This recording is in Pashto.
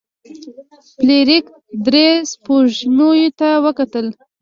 فلیریک درې سپوږمیو ته وکتل.